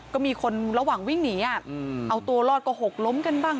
ก็มีคนระหว่างวิ่งหนีเอาตัวรอดก็หกล้มกันบ้าง